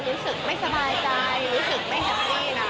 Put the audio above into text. รู้สึกไม่สบายใจรู้สึกไม่แฮปปี้นะ